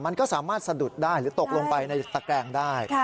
มันก็สามารถสะดุดได้หรือตกลงไปในตะแกรงได้